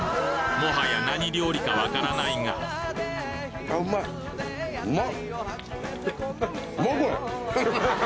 もはや何料理か分からないがうまっ！